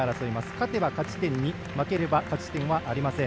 勝てば勝ち点は２負ければ勝ち点はありません。